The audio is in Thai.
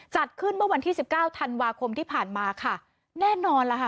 จัดขึ้นเมื่อวันที่สิบเก้าธันวาคมที่ผ่านมาค่ะแน่นอนล่ะค่ะ